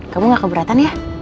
kamu gak keberatan ya